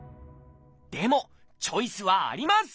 でもチョイスはあります！